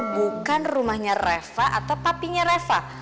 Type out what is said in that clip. bukan rumahnya reva atau papinya reva